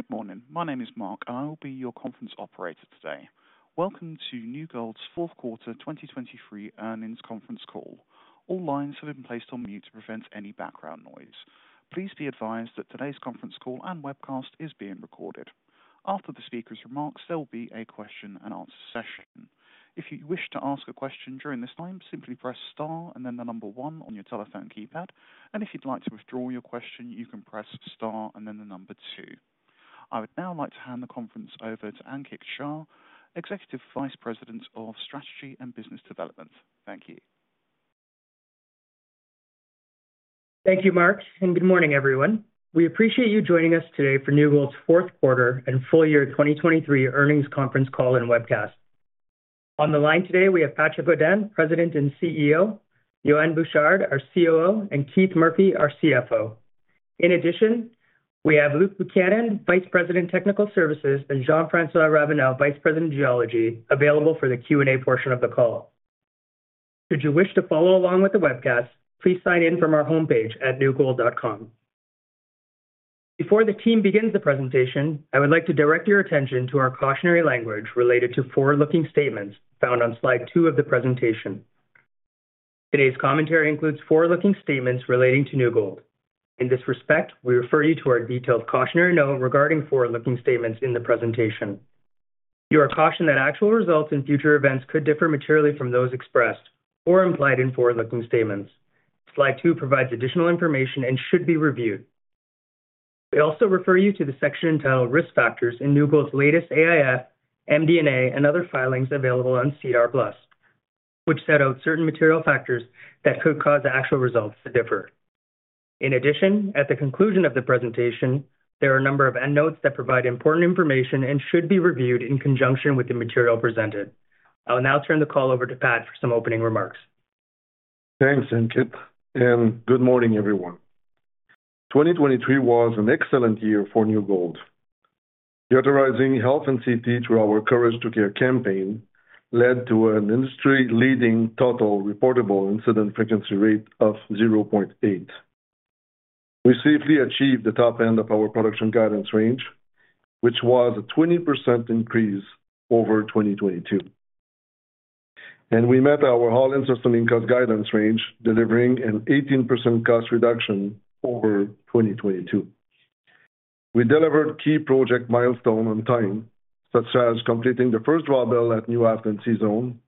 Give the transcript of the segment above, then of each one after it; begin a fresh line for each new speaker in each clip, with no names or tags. Good morning, my name is Mark, and I will be your conference operator today. Welcome to New Gold's fourth quarter 2023 earnings conference call. All lines have been placed on mute to prevent any background noise. Please be advised that today's conference call and webcast is being recorded. After the speaker's remarks, there will be a question-and-answer session. If you wish to ask a question during this time, simply press star and then the number one on your telephone keypad, and if you'd like to withdraw your question, you can press star and then the number two. I would now like to hand the conference over to Ankit Shah, Executive Vice President of Strategy and Business Development. Thank you.
Thank you, Mark, and good morning, everyone. We appreciate you joining us today for New Gold's 4th quarter and full year 2023 earnings conference call and webcast. On the line today, we have Patrick Godin, President and CEO, Yohann Bouchard, our COO, and Keith Murphy, our CFO. In addition, we have Luke Buchanan, Vice President, Technical Services, and Jean-François Ravenelle, Vice President, Geology, available for the Q&A portion of the call. Should you wish to follow along with the webcast, please sign in from our homepage at newgold.com. Before the team begins the presentation, I would like to direct your attention to our cautionary language related to forward-looking statements found on slide two of the presentation. Today's commentary includes forward-looking statements relating to New Gold. In this respect, we refer you to our detailed cautionary note regarding forward-looking statements in the presentation. You are cautioned that actual results and future events could differ materially from those expressed or implied in forward-looking statements. Slide two provides additional information and should be reviewed. We also refer you to the section entitled Risk Factors in New Gold's latest AIF, MD&A, and other filings available on SEDAR+, which set out certain material factors that could cause actual results to differ. In addition, at the conclusion of the presentation, there are a number of end notes that provide important information and should be reviewed in conjunction with the material presented. I will now turn the call over to Pat for some opening remarks.
Thanks, Ankit, and good morning, everyone. 2023 was an excellent year for New Gold. The prioritizing health and safety through our Courage to Care campaign led to an industry-leading total reportable incident frequency rate of 0.8. We safely achieved the top end of our production guidance range, which was a 20% increase over 2022, and we met our all-in sustaining cost guidance range, delivering an 18% cost reduction over 2022. We delivered key project milestones on time, such as completing the first draw-bell at New Afton C-Zone,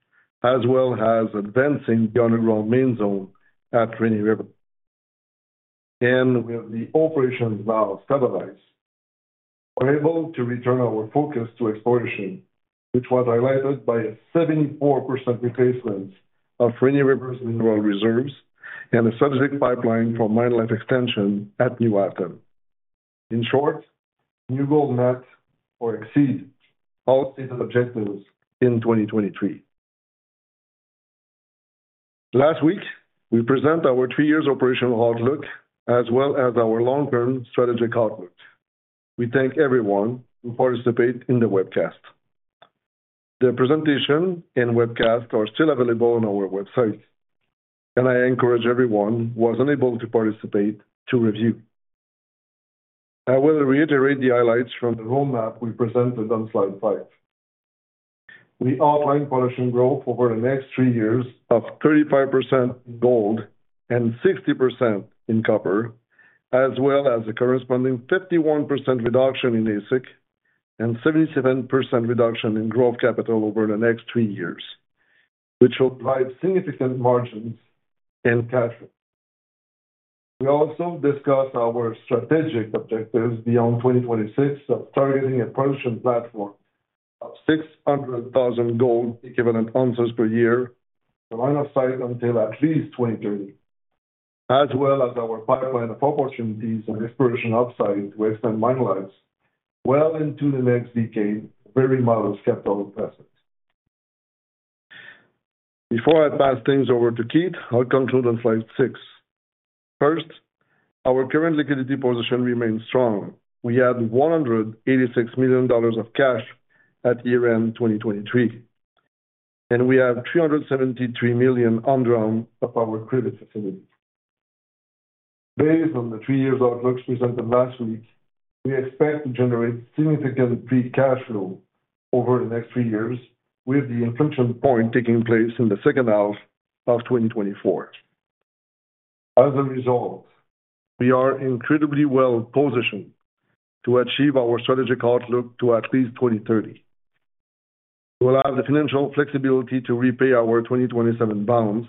as well as advancing the Underground Main Zone at Rainy River. And with the operations now stabilized, we're able to return our focus to exploration, which was highlighted by a 74% replacement of Rainy River's mineral reserves and a robust pipeline for mine life extension at New Afton. In short, New Gold met, or exceeded, all stated objectives in 2023. Last week, we presented our three-year operational outlook, as well as our long-term strategic outlook. We thank everyone who participated in the webcast. The presentation and webcast are still available on our website, and I encourage everyone who was unable to participate to review. I will reiterate the highlights from the roadmap we presented on slide five. We outlined production growth over the next three years of 35% in gold and 60% in copper, as well as a corresponding 51% reduction in AISC and 77% reduction in growth capital over the next three years, which will drive significant margins and cash flow. We also discussed our strategic objectives beyond 2026 of targeting a production platform of 600,000 gold equivalent ounces per year for line of sight until at least 2030, as well as our pipeline of opportunities and exploration upside to extend mine lives well into the next decade, very modest capital investments. Before I pass things over to Keith, I'll conclude on slide six. First, our current liquidity position remains strong. We had $186 million of cash at year-end 2023, and we have $373 million under our credit facility. Based on the three-year outlooks presented last week, we expect to generate significant free cash flow over the next three years, with the inflection point taking place in the second half of 2024. As a result, we are incredibly well positioned to achieve our strategic outlook to at least 2030. We will have the financial flexibility to repay our 2027 bonds and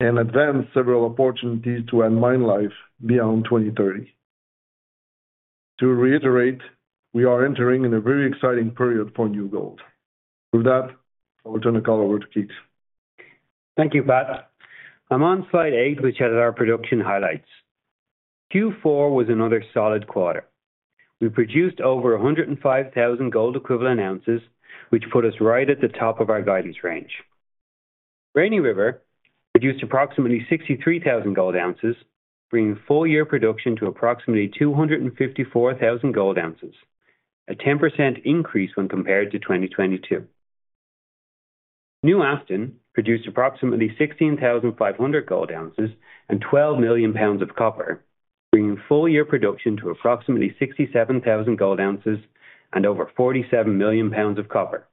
advance several opportunities to add mine life beyond 2030. To reiterate, we are entering in a very exciting period for New Gold. With that, I will turn the call over to Keith.
Thank you, Pat. I'm on slide eight, which headed our production highlights. Q4 was another solid quarter. We produced over 105,000 gold equivalent ounces, which put us right at the top of our guidance range. Rainy River produced approximately 63,000 gold ounces, bringing full year production to approximately 254,000 gold ounces, a 10% increase when compared to 2022. New Afton produced approximately 16,500 gold ounces and 12 million pounds of copper, bringing full year production to approximately 67,000 gold ounces and over 47 million pounds of copper.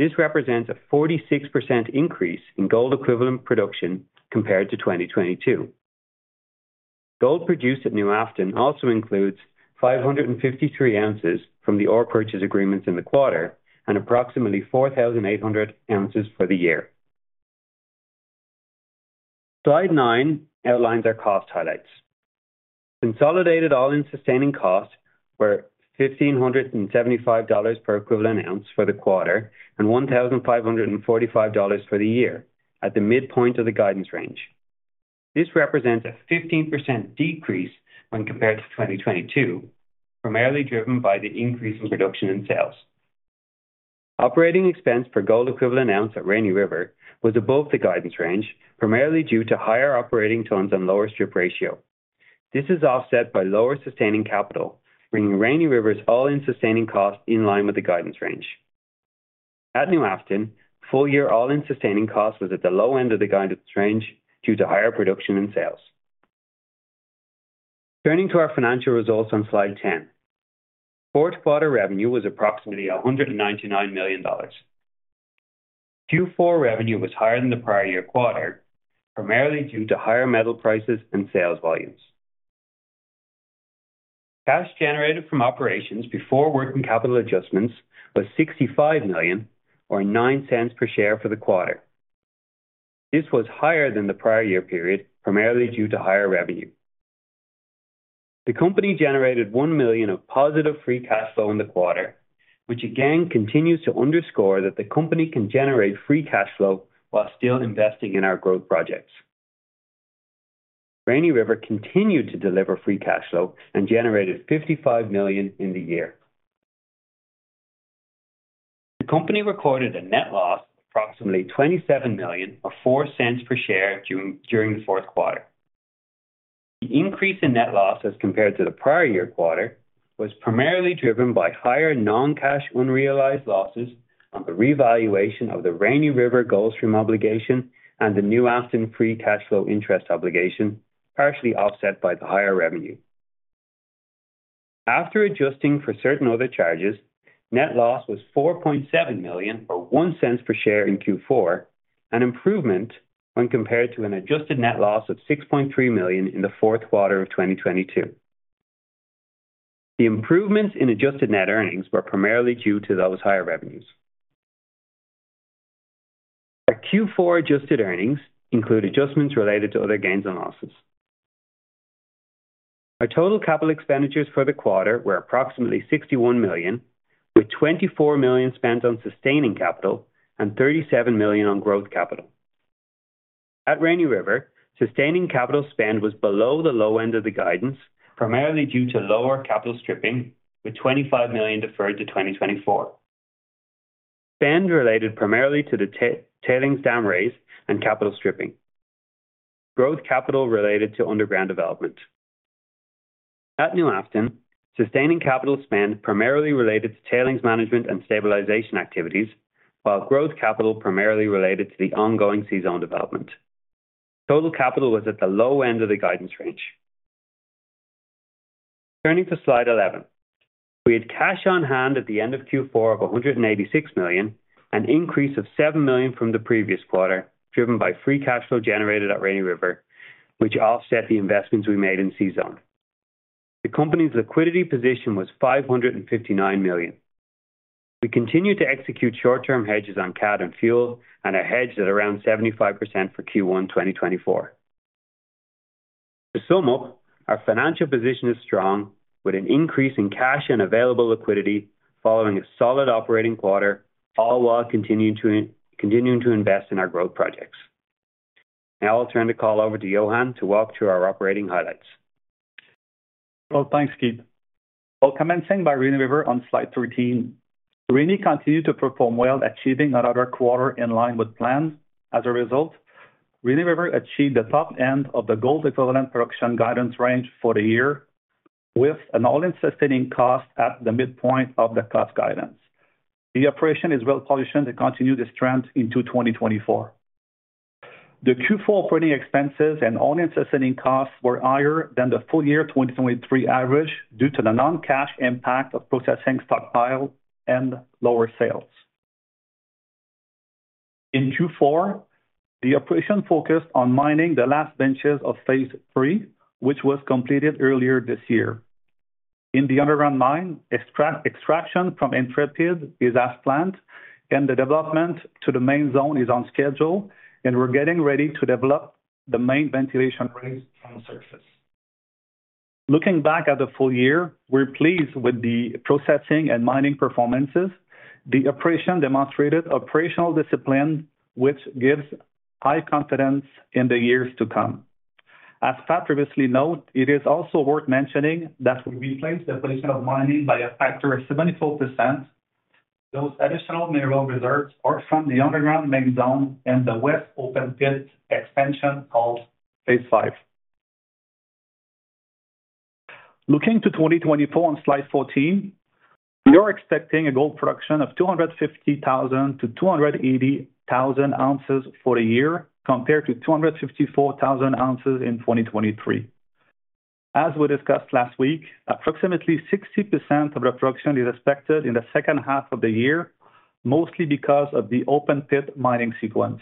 This represents a 46% increase in gold equivalent production compared to 2022. Gold produced at New Afton also includes 553 ounces from the ore purchase agreements in the quarter and approximately 4,800 ounces for the year. Slide nine outlines our cost highlights. Consolidated all-in sustaining costs were $1,575 per equivalent ounce for the quarter and $1,545 for the year, at the midpoint of the guidance range. This represents a 15% decrease when compared to 2022, primarily driven by the increase in production and sales. Operating expense per gold equivalent ounce at Rainy River was above the guidance range, primarily due to higher operating tons and lower strip ratio. This is offset by lower sustaining capital, bringing Rainy River's all-in sustaining cost in line with the guidance range. At New Afton, full year all-in sustaining cost was at the low end of the guidance range due to higher production and sales. Turning to our financial results on slide 10. Fourth quarter revenue was approximately $199 million. Q4 revenue was higher than the prior year quarter, primarily due to higher metal prices and sales volumes. Cash generated from operations before working capital adjustments was $65 million, or $0.09 per share for the quarter. This was higher than the prior year period, primarily due to higher revenue. The company generated $1 million of positive free cash flow in the quarter, which again continues to underscore that the company can generate free cash flow while still investing in our growth projects. Rainy River continued to deliver free cash flow and generated $55 million in the year. The company recorded a net loss of approximately $27 million, or $0.04 per share, during the fourth quarter. The increase in net loss as compared to the prior year quarter was primarily driven by higher non-cash unrealized losses on the revaluation of the Rainy River gold-stream obligation and the New Afton free cash flow interest obligation, partially offset by the higher revenue. After adjusting for certain other charges, net loss was $4.7 million, or $0.01 per share in Q4, an improvement when compared to an adjusted net loss of $6.3 million in the fourth quarter of 2022. The improvements in adjusted net earnings were primarily due to those higher revenues. Our Q4 adjusted earnings include adjustments related to other gains and losses. Our total capital expenditures for the quarter were approximately $61 million, with $24 million spent on sustaining capital and $37 million on growth capital. At Rainy River, sustaining capital spend was below the low end of the guidance, primarily due to lower capital stripping, with $25 million deferred to 2024. Spend related primarily to the tailings dam raise and capital stripping. Growth capital related to underground development. At New Afton, sustaining capital spend primarily related to tailings management and stabilization activities, while growth capital primarily related to the ongoing C-Zone development. Total capital was at the low end of the guidance range. Turning to slide 11. We had cash on hand at the end of Q4 of $186 million, an increase of $7 million from the previous quarter, driven by free cash flow generated at Rainy River, which offset the investments we made in C-Zone. The company's liquidity position was $559 million. We continued to execute short-term hedges on CAD and fuel, and a hedge at around 75% for Q1 2024. To sum up, our financial position is strong, with an increase in cash and available liquidity following a solid operating quarter, all while continuing to invest in our growth projects. Now I'll turn the call over to Yohann to walk through our operating highlights.
Well, thanks, Keith. I'll commence by Rainy River on slide 13. Rainy continued to perform well, achieving another quarter in line with plans. As a result, Rainy River achieved the top end of the Gold Equivalent production guidance range for the year, with an All-in Sustaining Cost at the midpoint of the cost guidance. The operation is well positioned to continue this trend into 2024. The Q4 operating expenses and All-in Sustaining Costs were higher than the full year 2023 average due to the non-cash impact of processing stockpile and lower sales. In Q4, the operation focused on mining the last benches of Phase 3, which was completed earlier this year. In the underground mine, extraction from Intrepid is as planned, and the development to the Main Zone is on schedule, and we're getting ready to develop the main ventilation raise from surface. Looking back at the full year, we're pleased with the processing and mining performances. The operation demonstrated operational discipline, which gives high confidence in the years to come. As Pat previously noted, it is also worth mentioning that we replaced the depletion of mining by a factor of 74%. Those additional mineral reserves are from the Underground Main Zone and the West Open Pit extension called Phase 5. Looking to 2024 on slide 14, we are expecting a gold production of 250,000-280,000 ounces for a year, compared to 254,000 ounces in 2023. As we discussed last week, approximately 60% of the production is expected in the second half of the year, mostly because of the open pit mining sequence.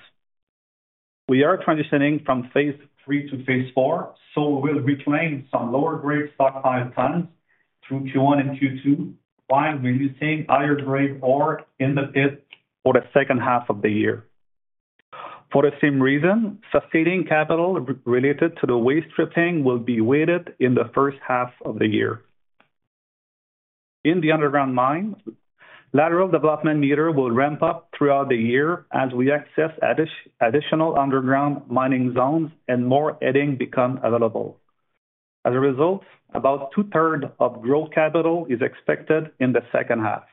We are transitioning from Phase 3 to Phase 4, so we will reclaim some lower-grade stockpile tons through Q1 and Q2 while releasing higher-grade ore in the pit for the second half of the year. For the same reason, sustaining capital related to the waste stripping will be weighted in the first half of the year. In the underground mine, lateral development meter will ramp up throughout the year as we access additional underground mining zones and more adding becomes available. As a result, about 2/3 of growth capital is expected in the second half.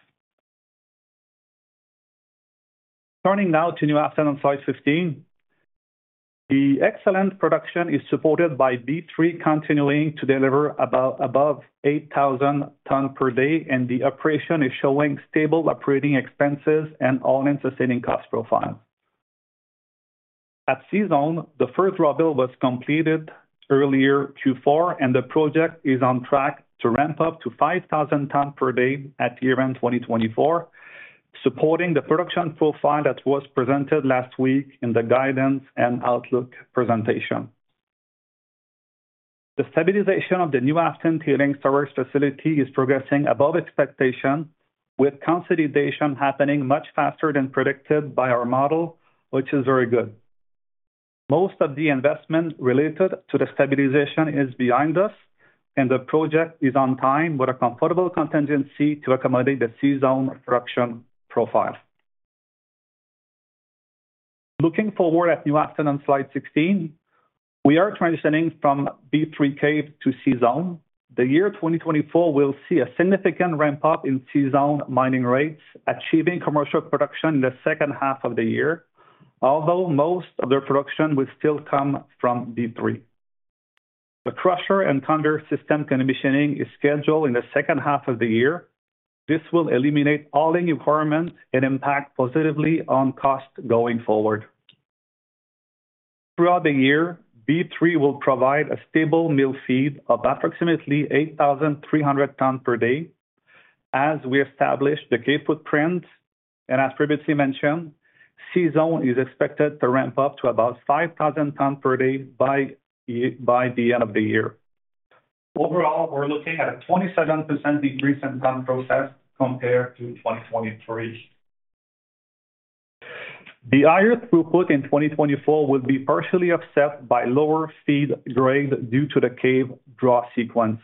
Turning now to New Afton on slide 15. The excellent production is supported by B3 continuing to deliver above 8,000 tons per day, and the operation is showing stable operating expenses and all-in sustaining cost profiles. At C-Zone, the first draw-bell was completed earlier Q4, and the project is on track to ramp up to 5,000 tons per day at year-end 2024, supporting the production profile that was presented last week in the guidance and outlook presentation. The stabilization of the New Afton tailings storage facility is progressing above expectation, with consolidation happening much faster than predicted by our model, which is very good. Most of the investment related to the stabilization is behind us, and the project is on time with a comfortable contingency to accommodate the C-Zone production profile. Looking forward at New Afton on slide 16. We are transitioning from B3 Cave to C-Zone. The year 2024 will see a significant ramp-up in C-Zone mining rates, achieving commercial production in the second half of the year, although most of their production will still come from B3. The crusher and conveyor system commissioning is scheduled in the second half of the year. This will eliminate hauling requirements and impact positively on costs going forward. Throughout the year, B3 will provide a stable mill feed of approximately 8,300 tons per day. As we established the cave footprint, and as Patrick mentioned, C-Zone is expected to ramp up to about 5,000 tons per day by the end of the year. Overall, we're looking at a 27% decrease in tons processed compared to 2023. The higher throughput in 2024 will be partially offset by lower feed grade due to the cave draw sequence.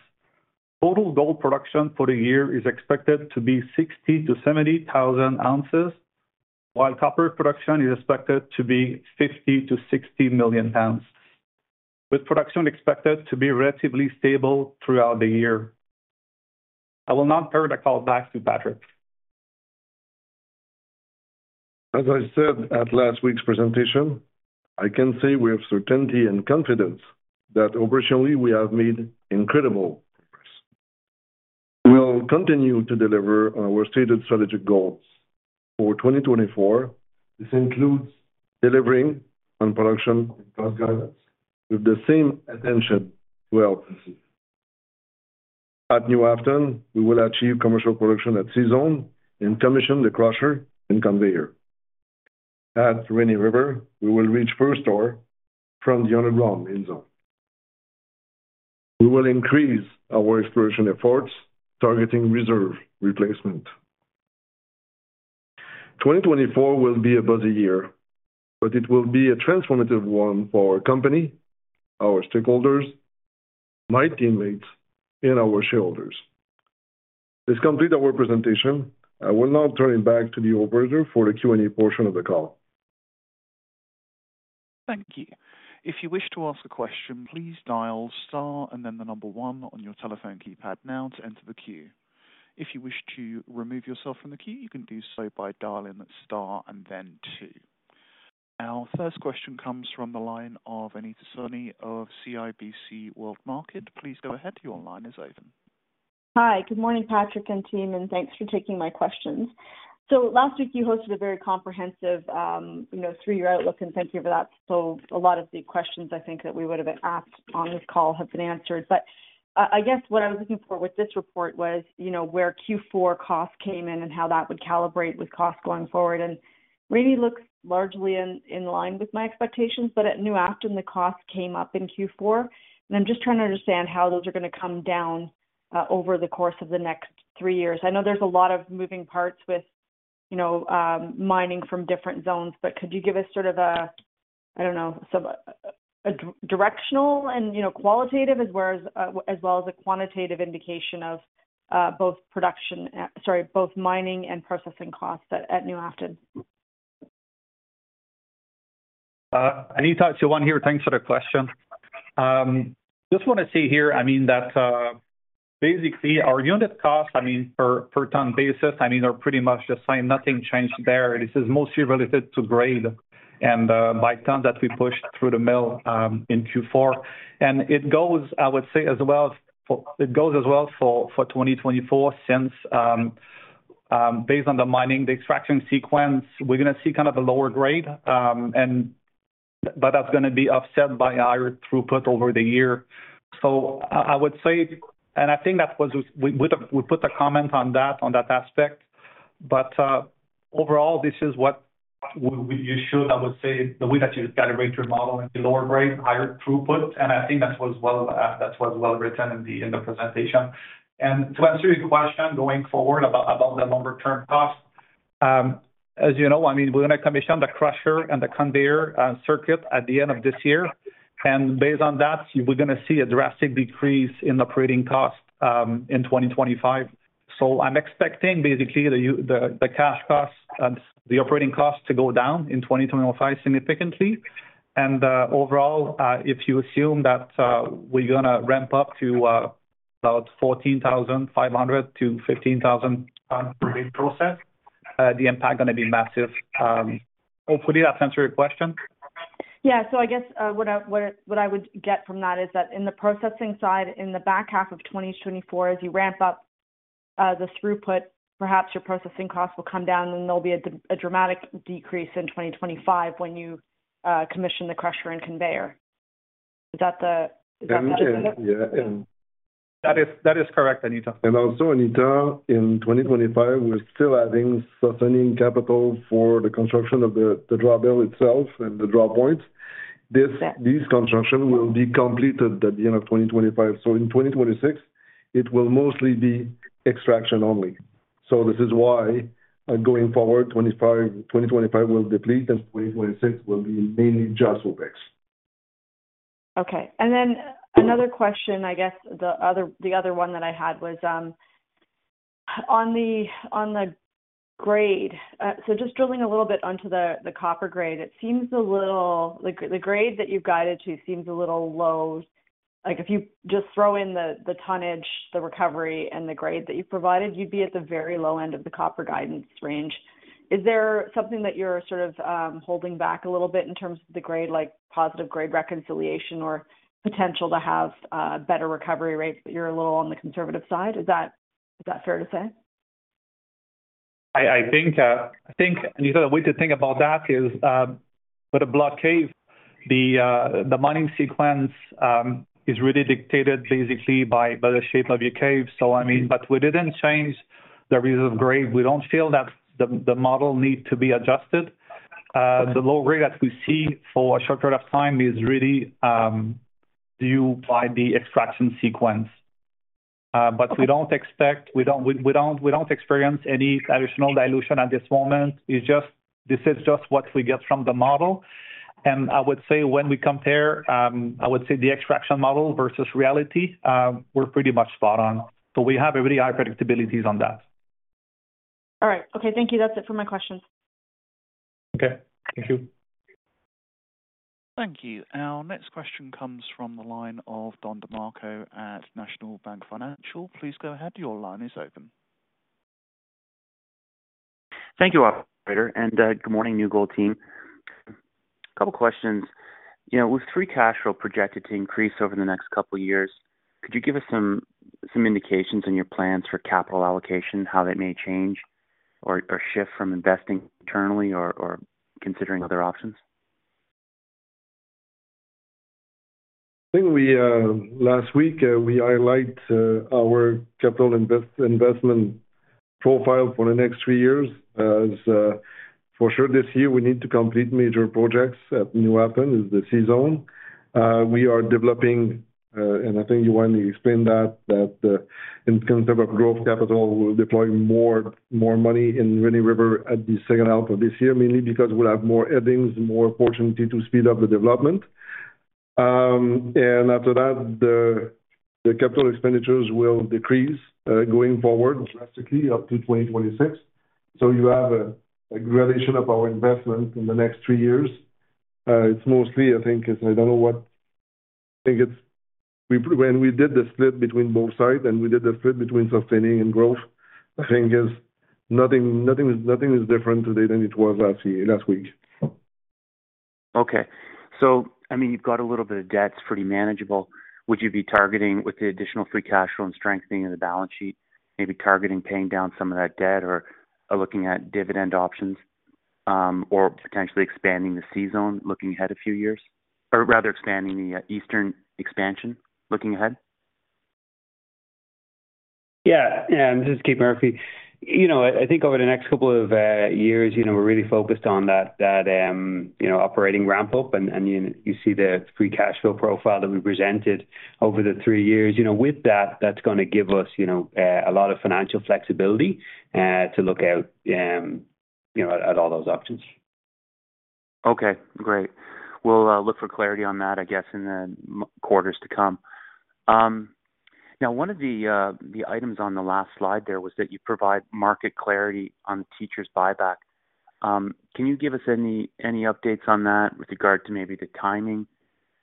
Total gold production for the year is expected to be 60,000-70,000 ounces, while copper production is expected to be 50,000-60,000,000 pounds, with production expected to be relatively stable throughout the year. I will now turn the call back to Patrick.
As I said at last week's presentation, I can say we have certainty and confidence that operationally we have made incredible progress. We'll continue to deliver on our stated strategic goals for 2024. This includes delivering on production and cost guidance with the same attention to health. At New Afton, we will achieve commercial production at C-Zone and commission the crusher and conveyor. At Rainy River, we will reach first ore from the Underground Main Zone. We will increase our exploration efforts targeting reserve replacement. 2024 will be a buzzy year, but it will be a transformative one for our company, our stakeholders, my teammates, and our shareholders. Please complete our presentation. I will now turn it back to the operator for the Q&A portion of the call.
Thank you. If you wish to ask a question, please dial star and then the number one on your telephone keypad now to enter the queue. If you wish to remove yourself from the queue, you can do so by dialing star and then two. Our first question comes from the line of Anita Soni of CIBC World Markets. Please go ahead. Your line is open.
Good morning, Patrick and team, and thanks for taking my questions. So last week you hosted a very comprehensive three-year outlook, and thank you for that. So a lot of the questions I think that we would have asked on this call have been answered. But I guess what I was looking for with this report was where Q4 costs came in and how that would calibrate with costs going forward. And Rainy looks largely in line with my expectations, but at New Afton, the costs came up in Q4, and I'm just trying to understand how those are going to come down over the course of the next three years. I know there's a lot of moving parts with mining from different zones, but could you give us sort of a, I don't know, some directional and qualitative as well as a quantitative indication of both production, sorry, both mining and processing costs at New Afton?
Anita, Yohann here. Thanks for the question. Just want to say here, I mean, that basically our unit costs, I mean, per ton basis, I mean, are pretty much the same. Nothing changed there. This is mostly related to grade and by tons that we pushed through the mill in Q4. And it goes, I would say, as well for it goes as well for 2024 since, based on the mining, the extraction sequence, we're going to see kind of a lower grade, but that's going to be offset by higher throughput over the year. So I would say, and I think that was we put a comment on that aspect. But overall, this is what you should, I would say, the way that you calibrate your model in the lower grade, higher throughput. And I think that was well written in the presentation. To answer your question going forward about the longer-term cost, as you know, I mean, we're going to commission the crusher and the conveyor circuit at the end of this year. Based on that, we're going to see a drastic decrease in operating costs in 2025. I'm expecting basically the cash costs, the operating costs to go down in 2025 significantly. Overall, if you assume that we're going to ramp up to about 14,500 tons-15,000 tons per week process, the impact is going to be massive. Hopefully, that answers your question.
Yeah. So I guess what I would get from that is that in the processing side, in the back half of 2024, as you ramp up the throughput, perhaps your processing costs will come down, and there'll be a dramatic decrease in 2025 when you commission the crusher and conveyor. Is that the answer?
That is correct, Anita.
Also, Anita, in 2025, we're still adding sustaining capital for the construction of the draw-bell itself and the draw-points. These constructions will be completed at the end of 2025. In 2026, it will mostly be extraction only. This is why going forward, 2025 will deplete, and 2026 will be mainly just OPEX.
Okay. And then another question, I guess the other one that I had was on the grade. So just drilling a little bit onto the copper grade, it seems a little the grade that you've guided to seems a little low. If you just throw in the tonnage, the recovery, and the grade that you've provided, you'd be at the very low end of the copper guidance range. Is there something that you're sort of holding back a little bit in terms of the grade, like positive grade reconciliation or potential to have better recovery rates, but you're a little on the conservative side? Is that fair to say?
I think, Anita, the way to think about that is with a block cave, the mining sequence is really dictated basically by the shape of your cave. So, I mean, but we didn't change the reserve grade. We don't feel that the model needs to be adjusted. The low grade that we see for a short period of time is really due to the extraction sequence. But we don't expect. We don't experience any additional dilution at this moment. This is just what we get from the model. And I would say when we compare, I would say the extraction model versus reality, we're pretty much spot on. So we have really high predictability on that.
All right. Okay. Thank you. That's it for my questions.
Okay. Thank you.
Thank you. Our next question comes from the line of Don DeMarco at National Bank Financial. Please go ahead. Your line is open.
Thank you, Operator. Good morning, New Gold team. A couple of questions. With free cash flow projected to increase over the next couple of years, could you give us some indications on your plans for capital allocation, how that may change or shift from investing internally or considering other options?
Last week, we highlighted our capital investment profile for the next three years. For sure, this year, we need to complete major projects at New Afton. It's the C-Zone. We are developing, and I think you wanted to explain that, in terms of growth capital, we'll deploy more money in Rainy River at the second half of this year, mainly because we'll have more addings, more opportunity to speed up the development. And after that, the capital expenditures will decrease going forward drastically up to 2026. So you have a gradation of our investment in the next three years. It's mostly, I think, I don't know what I think it's when we did the split between both sides, and we did the split between sustaining and growth, I think nothing is different today than it was last week.
Okay. So, I mean, you've got a little bit of debt. It's pretty manageable. Would you be targeting, with the additional free cash flow and strengthening of the balance sheet, maybe targeting paying down some of that debt or looking at dividend options or potentially expanding the C-Zone, looking ahead a few years, or rather expanding the eastern expansion, looking ahead?
Yeah. This is Keith Murphy. I think over the next couple of years, we're really focused on that operating ramp-up, and you see the free cash flow profile that we presented over the three years. With that, that's going to give us a lot of financial flexibility to look out at all those options.
Okay. Great. We'll look for clarity on that, I guess, in the quarters to come. Now, one of the items on the last slide there was that you provide market clarity on Teachers' buyback. Can you give us any updates on that with regard to maybe the timing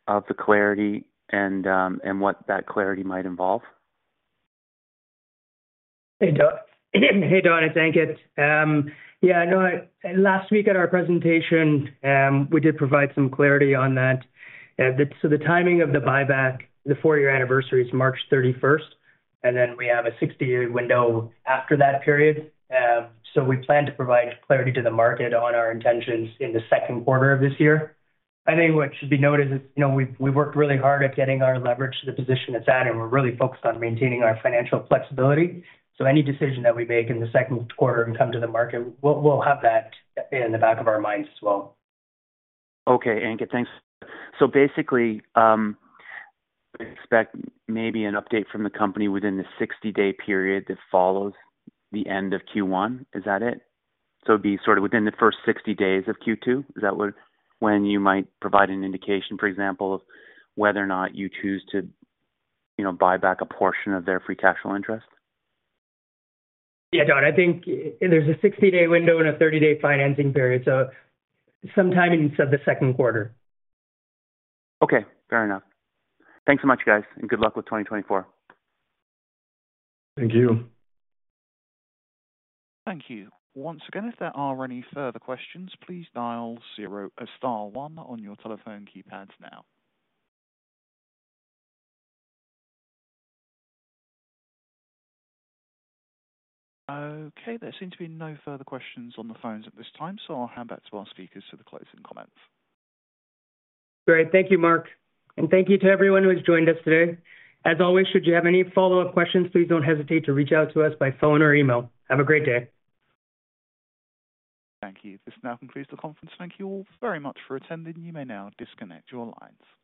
of the clarity and what that clarity might involve?
Hey, Don it's Ankit. Yeah, I know last week at our presentation, we did provide some clarity on that. So the timing of the buyback, the four-year anniversary is March 31st, and then we have a 60-year window after that period. So we plan to provide clarity to the market on our intentions in the second quarter of this year. I think what should be noted is we've worked really hard at getting our leverage to the position it's at, and we're really focused on maintaining our financial flexibility. So any decision that we make in the second quarter and come to the market, we'll have that in the back of our minds as well.
Okay, Ankit. Thanks. So basically, we expect maybe an update from the company within the 60-day period that follows the end of Q1. Is that it? So it'd be sort of within the first 60 days of Q2. Is that when you might provide an indication, for example, of whether or not you choose to buy back a portion of their free cash flow interest?
Yeah, Don. I think there's a 60-day window and a 30-day financing period. So sometime in the second quarter.
Okay. Fair enough. Thanks so much, guys, and good luck with 2024.
Thank you.
Thank you. Once again, if there are any further questions, please dial star one on your telephone keypads now. Okay. There seem to be no further questions on the phones at this time, so I'll hand back to our speakers for the closing comments.
Great. Thank you, Mark. Thank you to everyone who has joined us today. As always, should you have any follow-up questions, please don't hesitate to reach out to us by phone or email. Have a great day.
Thank you. This now concludes the conference. Thank you all very much for attending. You may now disconnect your lines.